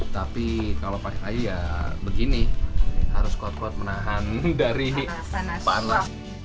tapi kalau pakai kayu ya begini harus kuat kuat menahan dari panas